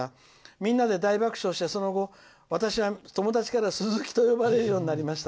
みんなで大爆笑してその後、私は友達からすずきと呼ばれるようになりました。